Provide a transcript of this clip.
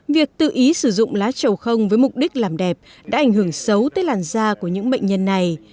việc tự ý sử dụng lá chầu không với mục đích làm đẹp đã ảnh hưởng xấu tới làn da của những bệnh nhân này